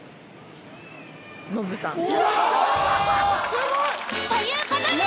すごい。という事で。